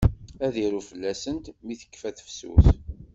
Ad iru fell-asent mi tekfa tefsut.